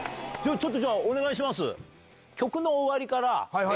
ちょっとお願いします。